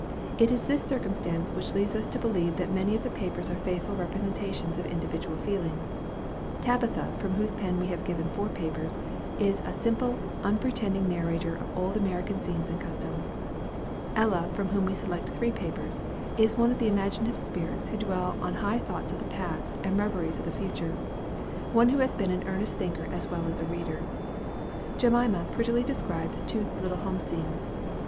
It is this circumstance which leads us to believe that many of the papers are faithful representations of individual feelings. Tabitha, from whose pen we have given four papers, is a simple, unpretending narrator of old American scenes and customs. Ella, from whom we select three papers, is one of the imaginative spirits who dwell on high thoughts of the past, and reveries of the future one who has been an earnest thinker as well as a reader. Jemima prettily describes two little home scenes.